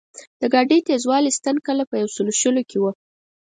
د ګاډۍ تېزوالي ستن کله په یو سلو شلو کې وه.